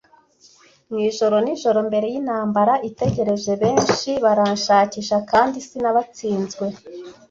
Mwijoro nijoro mbere yintambara itegereje benshi baranshakisha, kandi sinabatsinzwe,